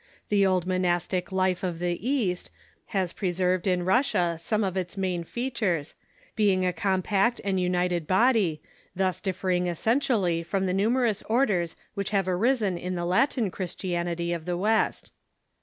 The old monastic Monks i.p»,T^ 1 T T . lire or the iliast has preserved in Kussia some of its main features, being a compact and united body, thus differ ing essentially from the numerous orders Avhich have arisen in the Latin Christianity of the West.